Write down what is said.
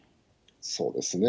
そうですね。